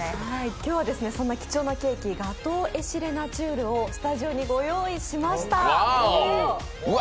今日はそんな貴重なケーキ、ガトー・エシレナチュールをスタジオにご用意しました。